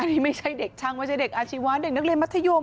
นี่ไม่ใช่เด็กช่างไม่ใช่เด็กอาชีวะเด็กนักเรียนมัธยม